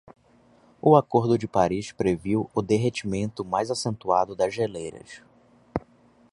O Acordo de Paris previu o derretimento mais acentuado das geleiras